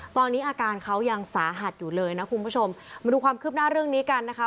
ตอนนี้อาการเขายังสาหัสอยู่เลยนะคุณผู้ชมมาดูความคืบหน้าเรื่องนี้กันนะคะ